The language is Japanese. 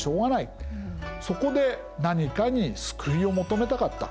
そこで何かに救いを求めたかった。